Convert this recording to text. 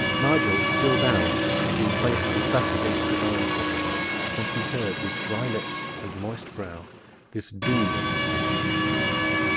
Nigel, still bound, had been placed with his back against the iron coffer, whence he heard with dry lips and moist brow this doom of his house.